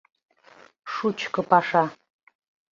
Шучко паша.